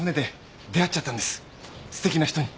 すてきな人に。